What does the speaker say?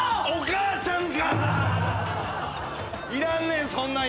いらんねん